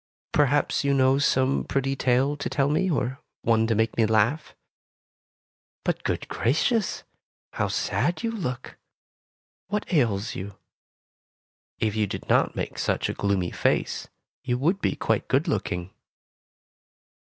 Perhaps you know some pretty tale to tell me, or one to make me laugh. But good gracious! how sad you look! What ails you ? If you did not make such a gloomy face, you would be quite good looking."